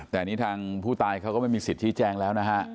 แต่นี่ทางผู้ตายเขาก็ไม่มีสิทธิแจงแล้วนะฮะ